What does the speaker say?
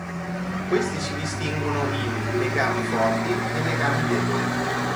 Questi si distinguono in: legami forti, e legami deboli.